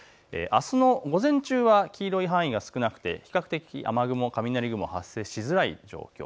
あすの午前中は黄色い範囲が少なくて比較的、雨雲、雷雲、発生しづらい状況。